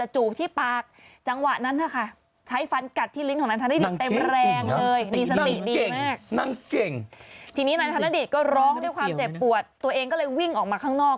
เจ็บปวดตัวเองก็เลยวิ่งออกมาข้างนอก